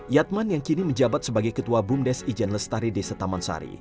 yatman yang kini menjabat sebagai ketua bumdes ijen lestari desa taman sari